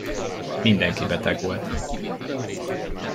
Mindenki beteg volt.